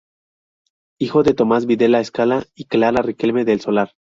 Hijo de Tomás Videla Escala y Clara Riquelme del Solar.